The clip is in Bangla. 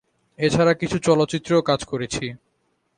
এ ছাড়া কিছু চলচ্চিত্রেও কাজ করেছি।